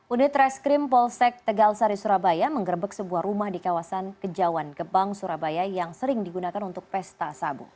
unit reskrim polsek tegal sari surabaya menggerbek sebuah rumah di kawasan kejawan gebang surabaya yang sering digunakan untuk pesta sabu